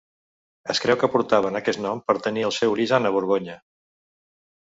Es creu que portaven aquest nom per tenir el seu origen a Borgonya.